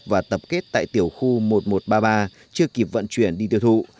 và tập kết tại tiểu khu một nghìn một trăm ba mươi ba chưa kịp vận chuyển đi tiêu thụ